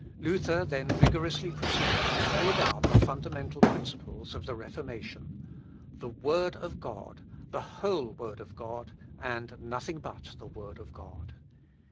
Luther then vigorously proceeds to lay down the fundamental principles of the Reformation, the word of God, the whole word of God, and nothing but the word of God.